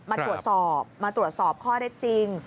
มาตรวจสอบมาตรวจสอบข้อได้จริง